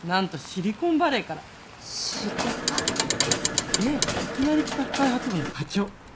シリコンバレー。でいきなり企画開発部の課長。